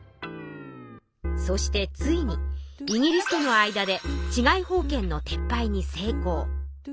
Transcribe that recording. そしてついにイギリスとの間で治外法権の撤廃に成功。